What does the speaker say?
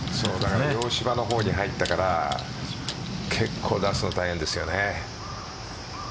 洋芝の方に入ったから結構、出すの大変ですよね。